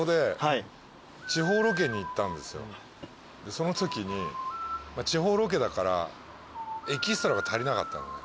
そのときに地方ロケだからエキストラが足りなかったのね。